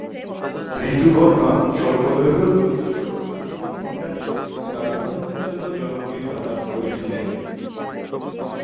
ঋতু বর্মা স্বল্পদৈর্ঘ্য চলচ্চিত্র "আনুকোকুন্ডা"-তে তার অভিনয়ের জন্য জনপ্রিয়তা লাভ করেছিলেন।